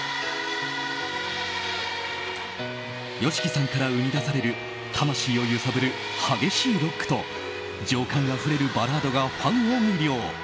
ＹＯＳＨＩＫＩさんから生み出される魂を揺さぶる激しいロックと情感あふれるバラードがファンを魅了。